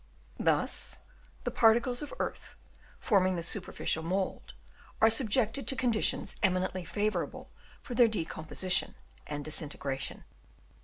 Thus the particles of earth, forming the superficial mould, are subjected to conditions eminently favourable for their decomposition and disintegration.